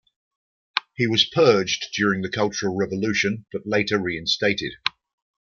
He was purged during the Cultural Revolution but later reinstated.